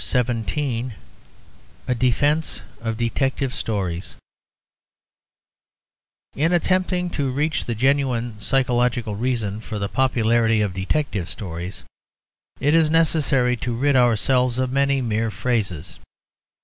A DEFENCE OF DETECTIVE STORIES In attempting to reach the genuine psychological reason for the popularity of detective stories, it is necessary to rid ourselves of many mere phrases.